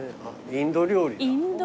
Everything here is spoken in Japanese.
インド料理。